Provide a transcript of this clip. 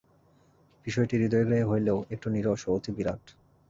বিষয়টি হৃদয়গ্রাহী হইলেও একটু নীরস ও অতি বিরাট।